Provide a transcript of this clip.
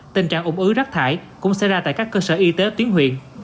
tình trạng ủng ứ rác thải cũng xảy ra tại các cơ sở y tế tuyến huyện